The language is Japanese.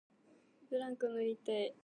ブランコ乗りたい